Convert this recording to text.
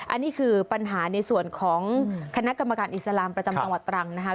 อันนี้คือปัญหาในส่วนของคณะกรรมการอิสลามประจำจังหวัดตรังนะคะ